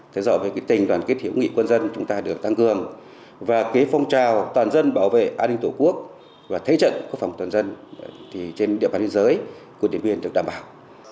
thế do với cái tình đoàn kết hiểu nghị quân dân chúng ta được tăng cường và kế phong trào toàn dân bảo vệ an ninh tổ quốc và thế trận quốc phòng toàn dân thì trên địa bàn thế giới quân điện biên được đảm bảo